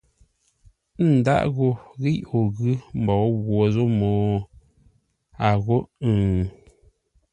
N ndáʼ ghô ghíʼ o ghʉ́ mbǒu ghwǒ zô mô? a ghô ə̂ŋ.